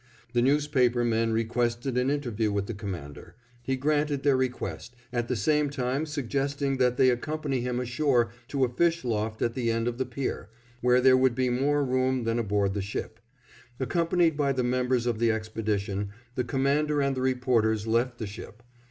The newspaper men requested an interview with the Commander. He granted their request, at the same time suggesting that they accompany him ashore to a fish loft at the end of the pier, where there would be more room than aboard the ship. Accompanied by the members of the expedition, the Commander and the reporters left the ship.